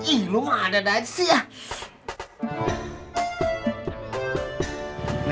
ih lu mana aja sih ya